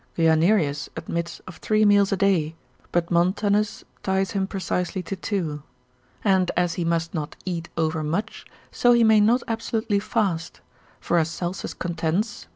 Guianerius admits of three meals a day, but Montanus, consil. 23. pro. Ab. Italo, ties him precisely to two. And as he must not eat overmuch, so he may not absolutely fast; for as Celsus contends, lib.